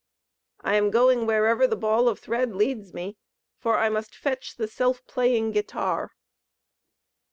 "I am going wherever the ball of thread leads me, for I must fetch the Self playing Guitar."